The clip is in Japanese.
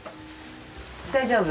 大丈夫？